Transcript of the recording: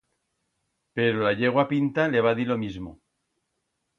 Pero la yegua Pinta le va dir lo mismo.